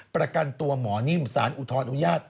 ประกันตัวหมอนิ่มสารอุทธรอนุญาต